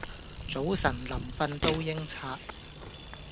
早晨臨訓都應刷